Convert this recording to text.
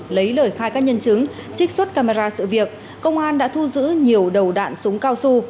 lấy lời khai các nhân chứng trích xuất camera sự việc công an đã thu giữ nhiều đầu đạn súng cao su